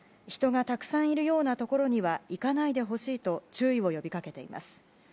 人がたくさんいるようなところには行かないでほしいと注意を呼び掛けています。